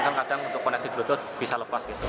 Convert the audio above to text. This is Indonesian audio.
sedangkan kadang untuk koneksi bluetooth bisa lepas gitu